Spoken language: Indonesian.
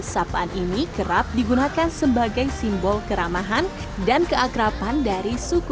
sapaan ini kerap digunakan sebagai simbol keramahan dan keakrapan dari suku